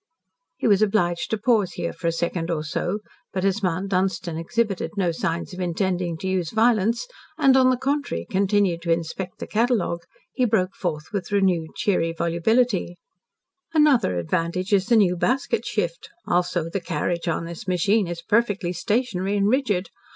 He was obliged to pause here for a second or so, but as Mount Dunstan exhibited no signs of intending to use violence, and, on the contrary, continued to inspect the catalogue, he broke forth with renewed cheery volubility: "Another advantage is the new basket shift. Also, the carriage on this machine is perfectly stationary and rigid.